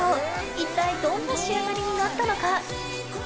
一体どんな仕上がりになったのか？